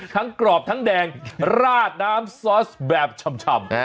กรอบทั้งแดงราดน้ำซอสแบบชำ